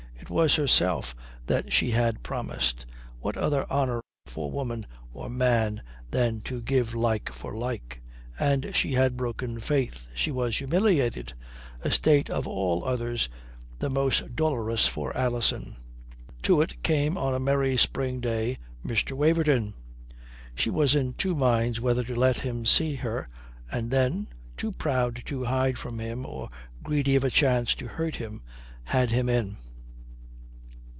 It was herself that she had promised what other honour for woman or man than to give like for like? and she had broken faith. She was humiliated a state of all others the most dolorous for Alison. To it came on a merry spring day Mr. Waverton. She was in two minds whether to let him see her, and then too proud to hide from him or greedy of a chance to hurt him had him in.